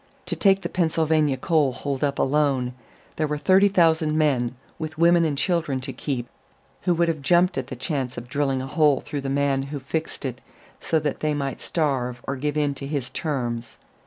To take the Pennsylvania coal hold up alone, there were thirty thousand men, with women and children to keep, who would have jumped at the chance of drilling a hole through the man who fixed it so that they must starve or give in to his terms.